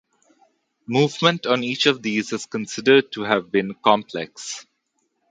Movement on each of these is considered to have been complex.